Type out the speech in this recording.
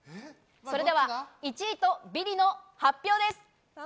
それでは１位とビリの発表です。